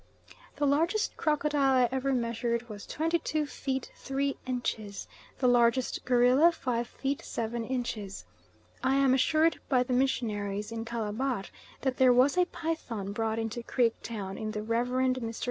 The largest crocodile I ever measured was 22 feet 3 inches, the largest gorilla 5 feet 7 inches. I am assured by the missionaries in Calabar, that there was a python brought into Creek Town in the Rev. Mr.